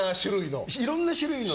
いろんな種類の。